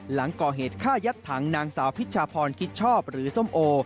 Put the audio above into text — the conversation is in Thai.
หลังก่อเหตุฆ่ายัดถังนางสาวพิชชาพรคิดชอบหรือส้มโอ